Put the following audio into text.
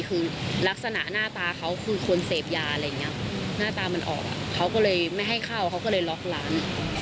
คือลักษณะหน้าตาเขาคือคนเสพยาอะไรอย่างนี้หน้าตามันออกเขาก็เลยไม่ให้เข้าเขาก็เลยล็อกร้าน